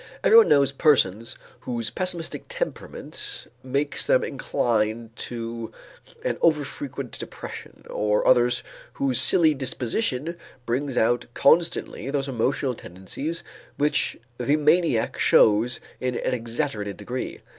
Everyone knows persons whose pessimistic temperament makes them inclined to an over frequent depression, or others whose silly disposition brings out constantly those emotional tendencies which the maniac shows in an exaggerated degree.